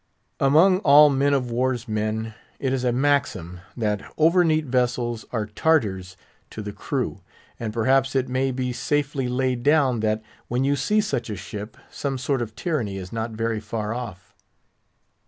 Among all men of war's men, it is a maxim that over neat vessels are Tartars to the crew: and perhaps it may be safely laid down that, when you see such a ship, some sort of tyranny is not very far off.